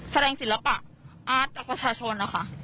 แสดงศิลปะอาร์ตจากประชาชน